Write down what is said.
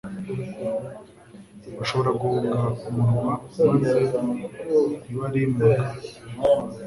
bashoboye guhunga umurwa maze ntibarimbaka.